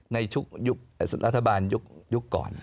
ในระทบาลยุคก่อน